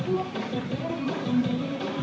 ตรงตรงตรง